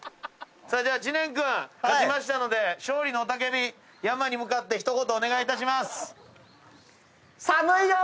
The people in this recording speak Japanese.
じゃあ知念君勝ちましたので勝利の雄叫び山に向かって一言お願いいたします。